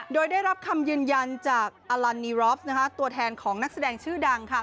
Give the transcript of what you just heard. โดยได้รับคำยืนยันจากนะฮะตัวแทนของนักแสดงชื่อดังค่ะ